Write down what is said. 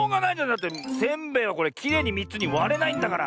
だってせんべいはこれきれいに３つにわれないんだから。